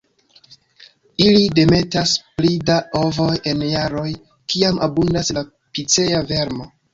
Ili demetas pli da ovoj en jaroj kiam abundas la Picea vermo.